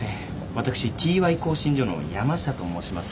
私Ｔ・Ｙ興信所の山下と申します。